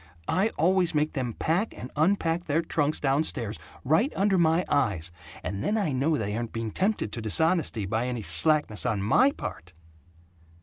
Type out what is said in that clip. I always make them pack and unpack their trunks down stairs, right under my eyes, and then I know they aren't being tempted to dishonesty by any slackness on MY part!"